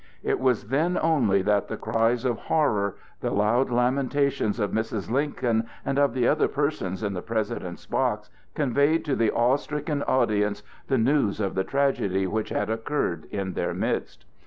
It was then only that the cries of horror, the loud lamentations of Mrs. Lincoln and of the other persons in the President's box conveyed to the awe stricken audience the news of the tragedy which had occurred in their midst.